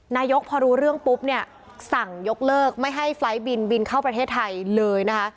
นายกพอรู้เรื่องปุ๊บเนี่ยสั่งยกเลิกไม่ให้ไฟล์บินบินเข้าประเทศไทยเลยนะคะ